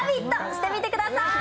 してみてください。